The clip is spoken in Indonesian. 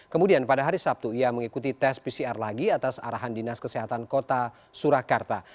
kemudian pada hari sabtu ia mengikuti tes pcr lagi atas arahan dinas kesehatan kota surakarta